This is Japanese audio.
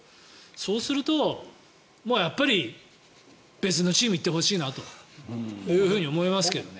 そうすると、もうやっぱり別のチームに行ってほしいなと思いますけどね。